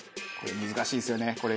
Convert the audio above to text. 難しいですよねこれ。